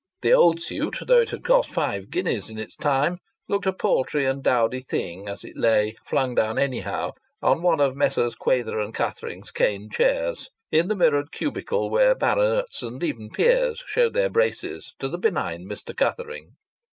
The old suit, though it had cost five guineas in its time, looked a paltry and a dowdy thing as it lay, flung down anyhow, on one of Messrs Quayther & Cuthering's cane chairs in the mirrored cubicle where baronets and even peers showed their braces to the benign Mr. Cuthering.